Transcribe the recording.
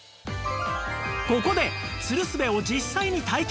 ここでつるすべを実際に体験